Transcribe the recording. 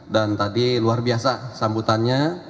dan tadi luar biasa sambutannya